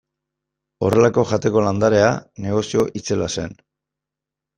Horrelako jateko landarea negozio itzela zen.